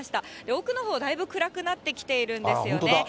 奥のほう、だいぶ暗くなってきているんですよね。